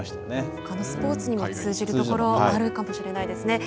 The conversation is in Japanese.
ほかのスポーツにも通じるところがあるかもしれないですね。